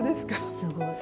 すごい。